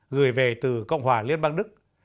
gửi về từ cộng hòa liên bang đức